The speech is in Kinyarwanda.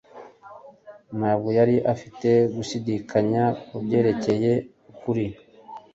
ntabwo yari afite gushidikanya kubyerekeye ukuri